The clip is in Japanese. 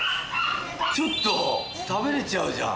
ちょっと食べれちゃうじゃん。